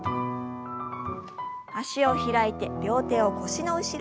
脚を開いて両手を腰の後ろ。